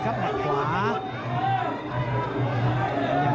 ต้องเต็มข่าวเร็ว